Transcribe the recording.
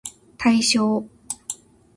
対象